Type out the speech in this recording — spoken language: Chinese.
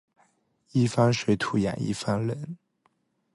一方水土养一方人